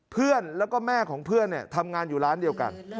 เพื่อนแล้วก็แม่ของเพื่อนทำงานอยู่ร้านเดียวกัน